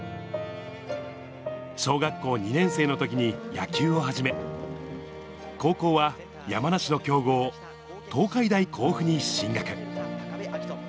小学校２年生のときに野球を始め、高校は山梨の強豪、東海大甲府に進学。